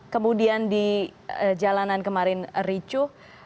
kemudian di jalanan kemarin ricuh